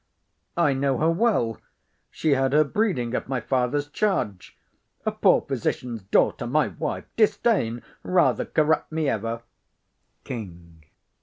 I know her well; She had her breeding at my father's charge: A poor physician's daughter my wife! Disdain Rather corrupt me ever! KING.